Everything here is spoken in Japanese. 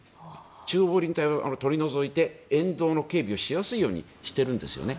中央分離帯を取り除いて沿道の警備をしやすいようにしてるんですね。